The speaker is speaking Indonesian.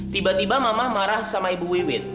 tiba tiba mama marah sama ibu wiwit